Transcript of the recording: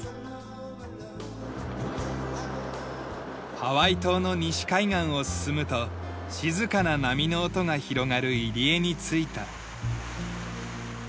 ハワイ島の西海岸を進むと静かな波の音が広がる入り江に着いた。